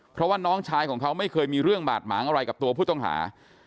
เพราะว่าน้องชายของเขาไม่เคยมีเรื่องบาดหมางอะไรกับตัวผู้ต้องหา